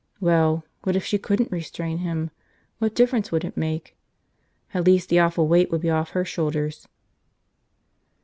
Well, what if she couldn't restrain him? What difference would it make? At least the awful weight would be off her shoulders.